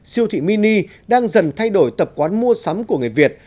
siêu thị mini đang dần thay đổi tập quán mua sắm của người việt